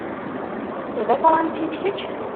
D Afransis, kečč?